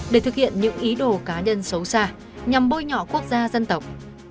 để thực hiện những ý đồ cá nhân xấu xa nhằm bôi nhỏ quốc gia dân tộc